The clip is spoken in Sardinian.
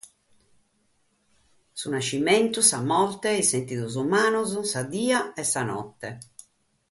Sa nàschida, sa morte, sos sentidos umanos, sa die e sa note.